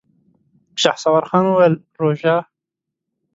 شهسوار خان وويل: روژه؟!